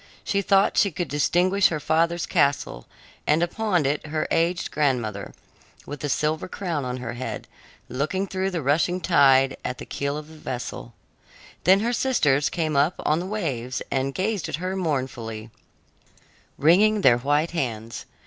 She thought she could distinguish her father's castle, and upon it her aged grandmother, with the silver crown on her head, looking through the rushing tide at the keel of the vessel. Then her sisters came up on the waves and gazed at her mournfully, wringing their white hands.